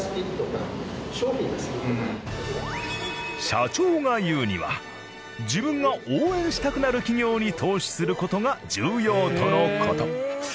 社長が言うには自分が応援したくなる企業に投資する事が重要との事。